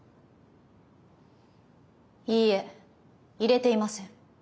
いいえ入れていません。